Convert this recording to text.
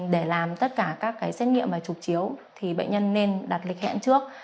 để làm tất cả các xét nghiệm và trục chiếu thì bệnh nhân nên đặt lịch hẹn trước